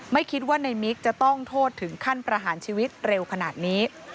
ไม่คิดว่าในมิกจะต้องโทษถึงขั้นประหารชีวิตเร็วขนาดนี้